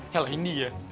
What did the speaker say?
yalah ini ya